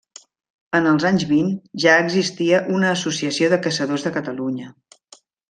En els anys vint ja existia una Associació de Caçadors de Catalunya.